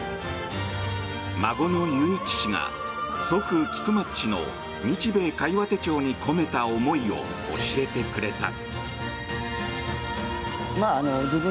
孫の雄一氏が祖父・菊松氏の「日米會話手帳」に込めた思いを教えてくれた。